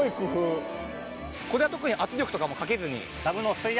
これは特に圧力とかもかけずに。